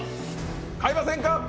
買いませんか？